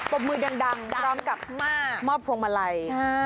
ปรบมือดังร้องกับมามาบพวงมาลัย